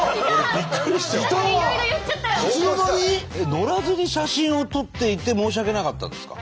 乗らずに写真を撮っていて申し訳なかったんですか？